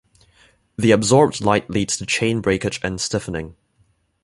The absorbed light leads to chain-breakage and stiffening.